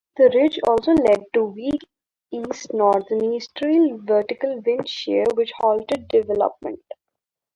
This ridge also led to weak east-northeasterly vertical wind shear, which halted development.